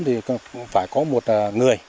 thì phải có một người